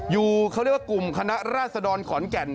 อยู่เขาเรียกว่ากลุ่มคณะราษดรขอนแก่น